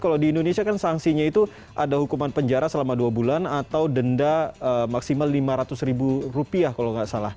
kalau di indonesia kan sanksinya itu ada hukuman penjara selama dua bulan atau denda maksimal lima ratus ribu rupiah kalau nggak salah